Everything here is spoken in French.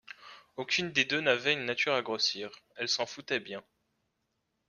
Aucune des deux n’avait une nature à grossir. Elles s’en foutaient bien.